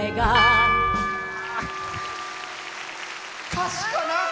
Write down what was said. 歌詞かな。